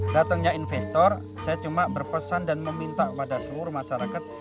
datangnya investor saya cuma berpesan dan meminta pada seluruh masyarakat